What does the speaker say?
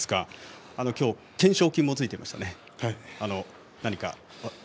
今日は懸賞金もついていました